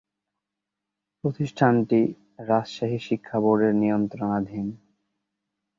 প্রতিষ্ঠানটি রাজশাহী শিক্ষা বোর্ডের নিয়ন্ত্রণাধীন।